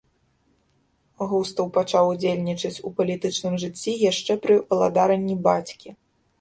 Густаў пачаў удзельнічаць у палітычным жыцці яшчэ пра валадаранні бацькі.